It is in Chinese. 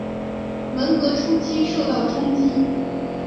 文革初期受到冲击。